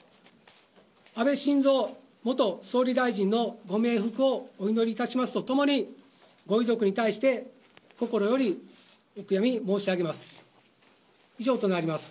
安倍晋三元総理大臣のご冥福をお祈りいたしますとともにご遺族に対して心よりお悔やみ申し上げます。